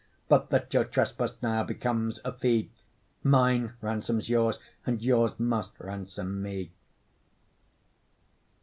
But that your trespass now becomes a fee; Mine ransoms yours, and yours must ransom me.